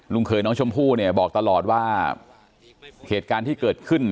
เคยน้องชมพู่เนี่ยบอกตลอดว่าเหตุการณ์ที่เกิดขึ้น